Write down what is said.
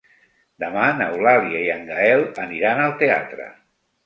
Demà n'Eulàlia i en Gaël aniran al teatre.